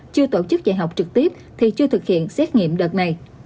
chưa tổ chức dạy học trực tiếp thì chưa thực hiện xét nghiệm đợt này